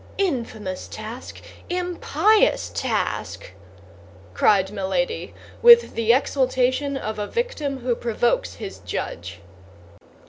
"Infamous task! impious task!" cried Milady, with the exultation of a victim who provokes his judge.